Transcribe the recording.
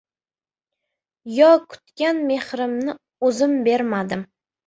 Yo kutgan mehrimni o‘zim bermadim.